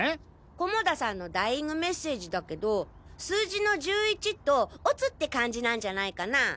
菰田さんのダイイングメッセージだけど数字の「１１」と「乙」って漢字なんじゃないかなぁ。